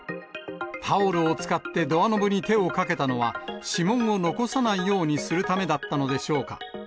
タオルを使ってドアノブに手をかけたのは、指紋を残さないようにするためだったのでしょうか。